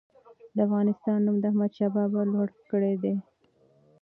د افغانستان نوم د احمدشاه بابا لوړ کړی دی.